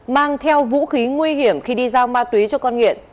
mang theo vũ khí nguy hiểm khi đi giao ma túy cho con nghiện